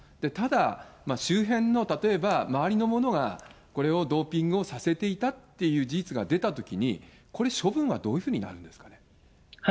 ただ、周辺の例えば周りの者がこれをドーピングをさせていたっていう事実が出たときに、これ、処分はどういうふうになるんですかね。